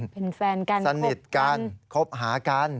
เป็นแฟนกันสนิทกันคบหากัน